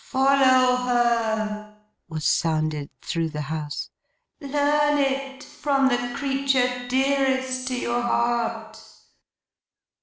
'Follow her!' was sounded through the house. 'Learn it, from the creature dearest to your heart!